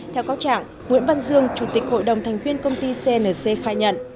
theo cáo trạng nguyễn văn dương chủ tịch hội đồng thành viên công ty cnc khai nhận